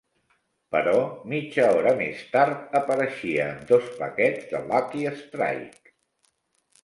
Però mitja hora més tard apareixia amb dos paquets de Lucky Strike.